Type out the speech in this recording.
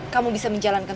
kamu bisa menjalankan